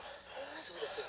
そうですよ。